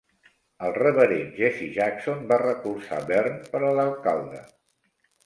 El reverend Jesse Jackson va recolzar Byrne per a l'alcalde.